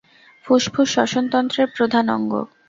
ফুসফুস শ্বসনতন্ত্রের প্রধান অঙ্গ।